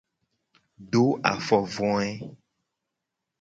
Do afovoe.